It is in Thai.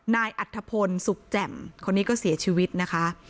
อัธพลสุขแจ่มคนนี้ก็เสียชีวิตนะคะ